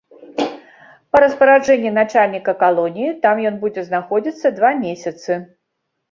Па распараджэнні начальніка калоніі там ён будзе знаходзіцца два месяцы.